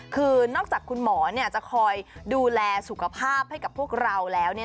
คือนอกจากคุณหมอจะคอยดูแลสุขภาพให้กับพวกเราแล้ว